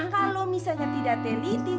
kalo misalnya tidak telitik